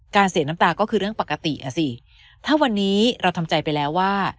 เสียน้ำตาก็คือเรื่องปกติอ่ะสิถ้าวันนี้เราทำใจไปแล้วว่า